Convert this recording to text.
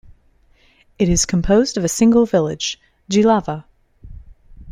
It is composed of a single village, Jilava.